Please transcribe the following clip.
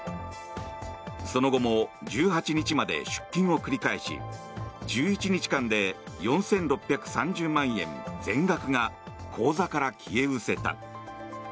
その後も１８日まで出金を繰り返し１１日間で４６３０万円全額が口座から消え失せた。